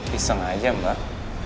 piseng aja mbak